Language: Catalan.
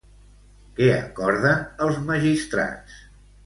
Què acorden els magistrats?